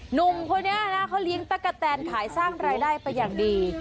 หนุ่มคนนี้นะเขาเลี้ยงตั๊กกะแตนขายสร้างรายได้ไปอย่างดี